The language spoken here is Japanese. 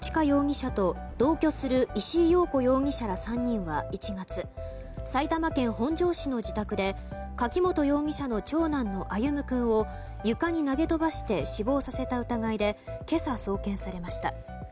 容疑者と同居する石井陽子容疑者ら３人は１月埼玉県本庄市の自宅で柿本容疑者の長男の歩夢君を床に投げ飛ばして死亡させた疑いで今朝、送検されました。